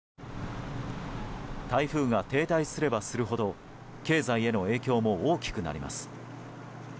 台風が停滞すればするほど経済への影響も大きくなります。